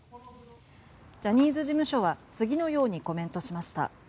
ジャニーズ事務所は次のようにコメントしました。